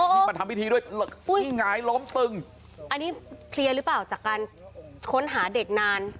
โอ้โหมาทำพิธีด้วยอุ๊ยไอ้หงายล้มตึงอันนี้เพลียรึเปล่าจากการค้นหาเด็กนาน